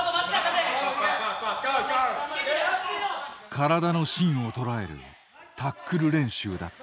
体の芯をとらえるタックル練習だった。